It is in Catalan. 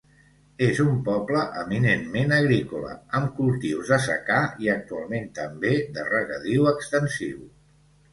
És un poble eminentment agrícola, amb cultius de secà i, actualment també de regadiu extensiu.